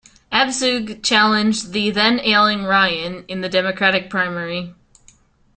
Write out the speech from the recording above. Abzug challenged the then ailing Ryan in the Democratic primary.